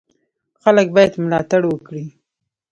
خلک باید ملاتړ وکړي.